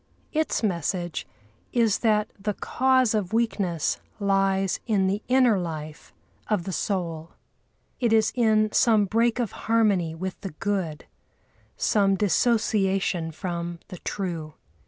Its message is that the cause of weakness lies in the inner life of the soul. It is in some break of harmony with the Good, some dissociation from the True.